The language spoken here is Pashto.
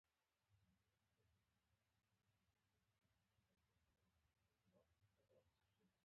د شېشې ورهاخوا خلک زموږ په تماشه ول.